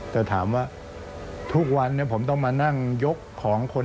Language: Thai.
แต่ถามว่าทุกวันผมต้องมานั่งยกของคน